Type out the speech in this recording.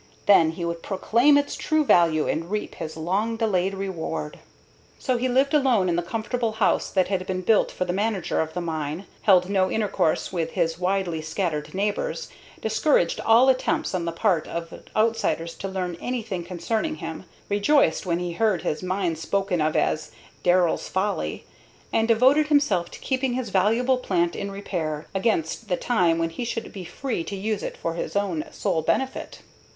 Then he would proclaim its true value and reap his long delayed reward. So he lived alone in the comfortable house that had been built for the manager of the mine, held no intercourse with his widely scattered neighbors, discouraged all attempts on the part of outsiders to learn anything concerning him, rejoiced when he heard his mine spoken of as "Darrell's Folly," and devoted himself to keeping its valuable plant in repair, against the time when he should be free to use it for his own sole benefit.